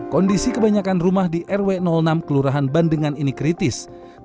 kondisi kebanyakan rumah di rw enam kelurahan bandengan ini kritis